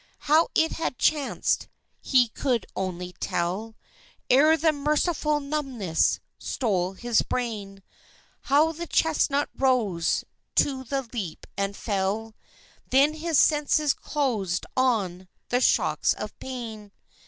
How it had chanced, he could only tell, Ere the merciful numbness stole his brain; How the chestnut rose to the leap and fell.... Then his senses closed on the shocks of pain.